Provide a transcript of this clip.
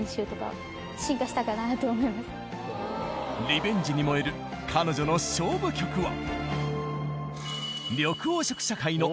リベンジに燃える彼女の勝負曲は。